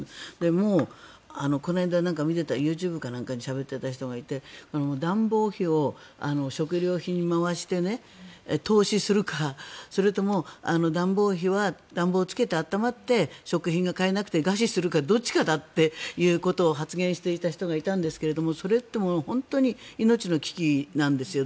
もうこの間、見ていたＹｏｕＴｕｂｅかなんかでしゃべっていた人がいて暖房費を食料品に回して凍死するかそれとも暖房費は、暖房をつけて暖まって食品が買えなくて餓死するかどっちかだと発言していた人がいたんですけれどもそれって本当に命の危機なんですよ。